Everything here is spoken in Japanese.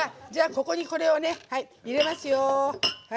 ここにこれを入れますよ。